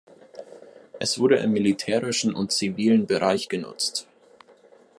Es wurde im militärischen und zivilen Bereich genutzt.